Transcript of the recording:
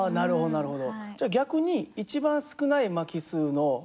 なるほど。